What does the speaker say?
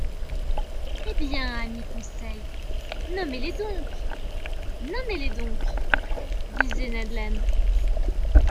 Eh bien, ami Conseil, nommez-les donc, nommez-les donc ! disait Ned Land.